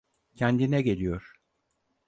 Kendine geliyor.